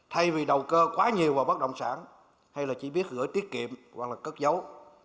thay vì đầu cơ quá nhiều vào bất động sản hay là chỉ biết gửi tiết kiệm hoặc là cất dấu